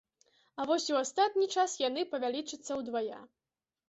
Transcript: А вось у астатні час яны павялічацца ўдвая.